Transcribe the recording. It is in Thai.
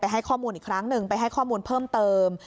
ให้ข้อมูลอีกครั้งหนึ่งไปให้ข้อมูลเพิ่มเติม